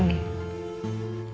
nanti aku akan datang